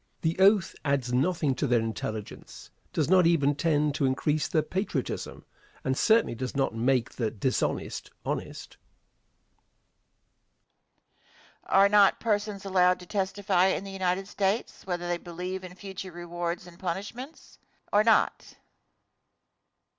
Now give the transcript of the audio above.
The oath adds nothing to their intelligence; does not even tend to increase their patriotism, and certainly does not make the dishonest honest. Question. Are not persons allowed to testify in the United States whether they believe in future rewards and punishments or not?